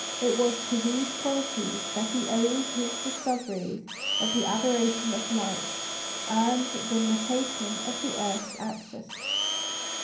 It was to these qualities that he owed his discoveries of the aberration of light and the nutation of the earth's axis.